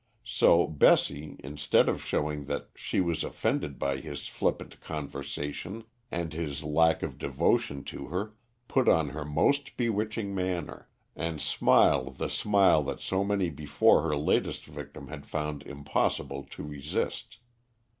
So Bessie, instead of showing that she was offended by his flippant conversation and his lack of devotion to her, put on her most bewitching manner, and smiled the smile that so many before her latest victim had found impossible to resist.